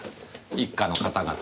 一課の方々。